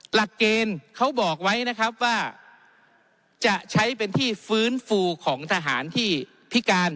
หลักเกณฑ์เขาบอกไว้นะครับว่าจะใช้เป็นที่ฟื้นฟูของทหารที่พิการ